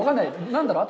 何だろう。